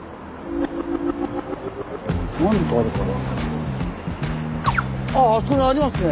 何かあるかな。